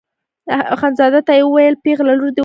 اخندزاده ته یې وویل پېغله لور دې وتښتېده.